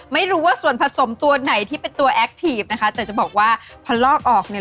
ไม่รู้ว่าส่วนผสมตัวไหนที่เป็นตัวแอคทีฟนะคะแต่จะบอกว่าพอลอกออกเนี่ย